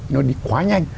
nó đi quá nhanh